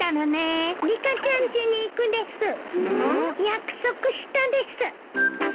約束したです。